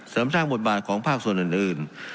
เสริมสร้างบทบาทของภาคส่วนอื่น